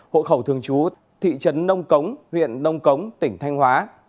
hộ khẩu thường trú thị trấn nông cống huyện đông cống tỉnh thanh hóa